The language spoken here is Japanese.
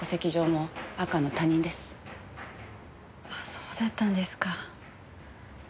そうだったんですか。